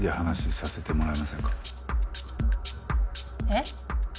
えっ？